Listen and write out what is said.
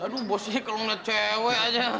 aduh bos ini kalau ngeliat cewek aja